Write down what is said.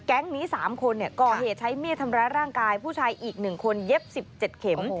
แก๊งนี้๓คนก่อเหตุใช้มีดทำร้ายร่างกายผู้ชายอีก๑คนเย็บ๑๗เข็ม